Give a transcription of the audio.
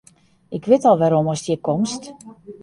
Ik wit al wêrom ast hjir komst.